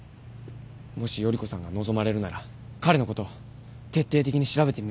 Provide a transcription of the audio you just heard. もし依子さんが望まれるなら彼のこと徹底的に調べてみます。